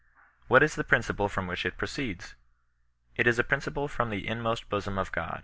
What is the principle from which it proceeds? It is a principle from the inmost hosom of €^.